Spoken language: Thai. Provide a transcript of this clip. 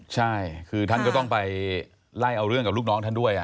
ใช่คือท่านก็ต้องไปไล่เอาเรื่องกับลูกน้องท่านด้วย